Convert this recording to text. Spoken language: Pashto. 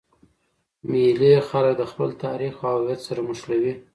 مېلې خلک د خپل تاریخ او هویت سره مښلوي.